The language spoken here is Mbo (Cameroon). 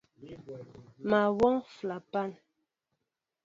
Mă wɔŋ flapan.